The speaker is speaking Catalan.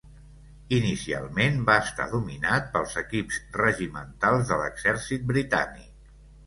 Inicialment va estar dominat pels equips regimentals de l'Exèrcit Britànic.